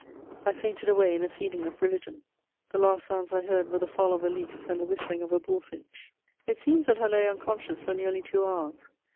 I fainted away in a feeling of religion: the last sounds I heard were the fall of a leaf and the whistling of a bullfinch. * It seems that I lay unconscious for nearly two hours.